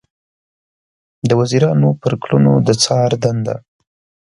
د وزیرانو پر کړنو د څار دنده